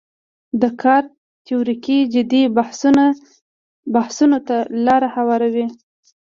دا کار تیوریکي جدي بحثونو ته لاره هواروي.